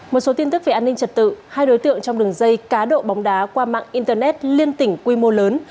một số tin tức về an ninh trật tự hai đối tượng trong đường dây cá độ bóng đá qua mạng internet liên tỉnh quy mô lớn